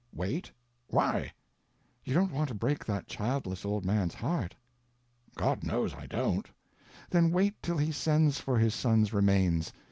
"Wait? Why?" "You don't want to break that childless old man's heart." "God knows I don't!" "Then wait till he sends for his son's remains.